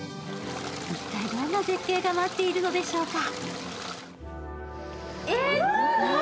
一体どんな絶景が待っているのでしょうか。